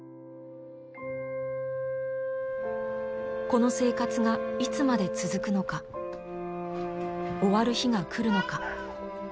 この生活がいつまで続くのか終わる日が来るのか。